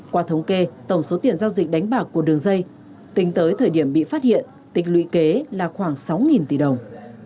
qua thống kê tổng số tiền giao dịch đánh bạc của đường dây tính tới thời điểm bị phát hiện tịch lũy kế là khoảng sáu tỷ đồng